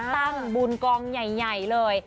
ตั้งบุญกองใหญ่เลย